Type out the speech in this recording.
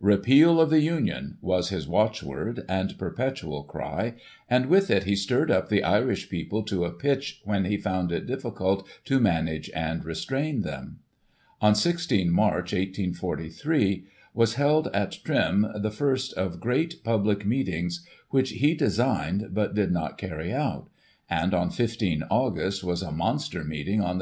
"Repeal of the Union" was his watchword and perpetual cry, and with it he stirred up the Irish people to a pitch when he found it difficult to manage and restrain them. On 16 March, 1843, was held at Trim the first of great pubHc meetings which he designed, but did not carry out; and on 15 Aug. was a monster meeting on the